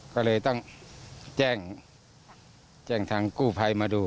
ก็เลยต้องแจ้งแจ้งทางกู้ภัยมาดู